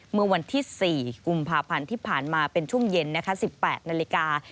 เมื่อวันที่๔กุมภาพันธ์ที่ผ่านมาเป็นช่วงเย็นนะคะ๑๘นาฬิกา